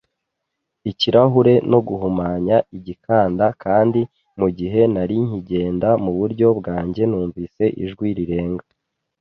ikirahure no guhumanya igikanda, kandi mugihe nari nkigenda muburyo bwanjye, numvise ijwi rirenga